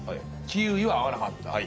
キウイは合わなかった。